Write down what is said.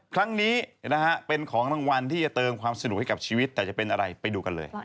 ครั้งนี้นะฮะเป็นของรางวัลที่จะเติมความสนุกให้กับชีวิตแต่จะเป็นอะไรไปดูกันเลย